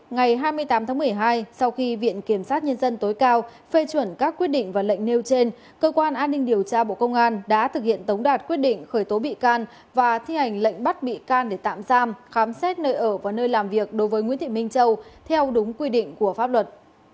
ngày hai mươi tám tháng một mươi hai sau khi viện kiểm sát nhân dân tối cao phê chuẩn các quyết định và lệnh nêu trên cơ quan an ninh điều tra bộ công an đã thực hiện tống đạt quyết định khởi tố bị can và thi hành lệnh bắt bị can để tạm giam khám xét nơi ở và nơi làm việc đối với nguyễn thị minh châu theo đúng quy định của pháp luật